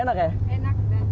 enak dan lebih aman